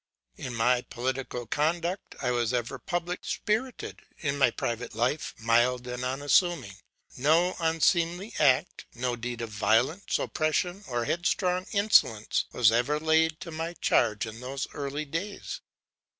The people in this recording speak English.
In my political conduct I was ever public spirited, in my private life mild and unassuming; no unseemly act, no deed of violence, oppression, or headstrong insolence was ever laid to my charge in those early days.